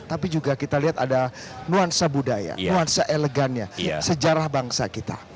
tapi juga kita lihat ada nuansa budaya nuansa elegannya sejarah bangsa kita